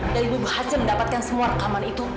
dan ibu berhasil mendapatkan semua rekaman itu